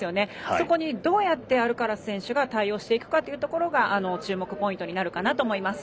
そこにどうやってアルカラス選手が対応していくかが注目ポイントになるかなと思います。